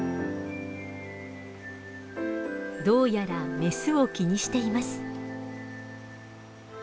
どうやらメスを気にしています。